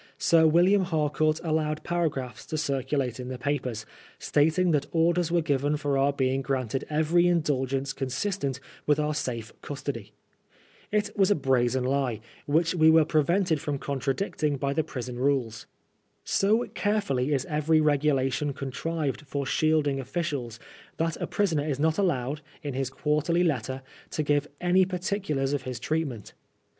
Sir William Harcourt allowed paragraphs to circulate in the papers, stating that orders were given for our being granted every indulgence con* Bistent with our safe custody. It was a braaen lie, wliidh we were prevented from contradicting by the prison rules. So carefully is every regulation contrived for shielding officials that a prisoner is not allowed, in his quarterly letter, to give any particulars of his treat ment.